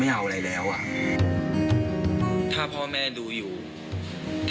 อันดับ๖๓๕จัดใช้วิจิตร